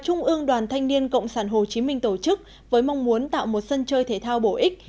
trung ương đoàn thanh niên cộng sản hồ chí minh tổ chức với mong muốn tạo một sân chơi thể thao bổ ích